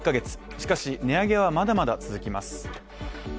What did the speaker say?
しかし、値上げはまだまだ続きます。